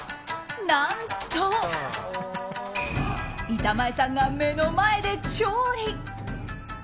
何と板前さんが目の前で調理。